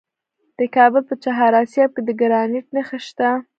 د کابل په چهار اسیاب کې د ګرانیټ نښې شته.